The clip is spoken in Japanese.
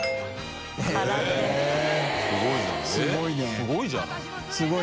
すごいじゃない。